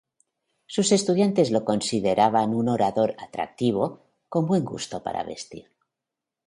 Sus estudiantes lo consideraban un orador atractivo, con buen gusto para vestir.